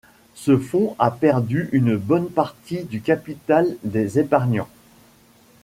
Ce fond a perdu une bonne partie du capital des épargnants.